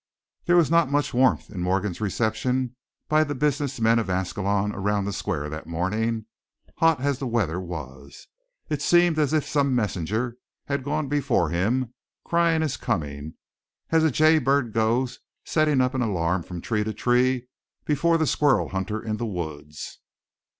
There was not much warmth in Morgan's reception by the business men of Ascalon around the square that morning, hot as the weather was. It seemed as if some messenger had gone before him crying his coming, as a jaybird goes setting up an alarm from tree to tree before the squirrel hunter in the woods.